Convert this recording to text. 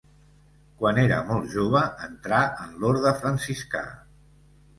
Quan era molt jove, entrà en l'orde franciscà.